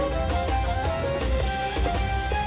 semoga hari ini berjalan baik